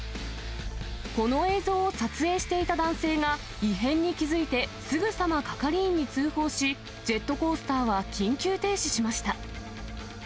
この映像を撮影していた男性が異変に気付いて、すぐさま係員に通報し、ジェットコースターは緊急停止しました。